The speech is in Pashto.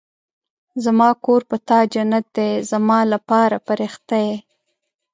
زما کور په تا جنت دی زما لپاره فرښته يې